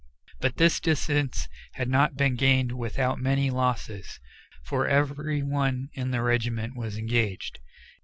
But this distance had not been gained without many losses, for every one in the regiment was engaged.